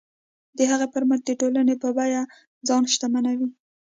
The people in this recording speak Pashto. د هغې پر مټ د ټولنې په بیه ځان شتمنوي.